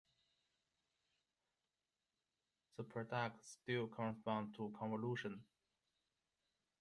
The product still corresponds to convolution.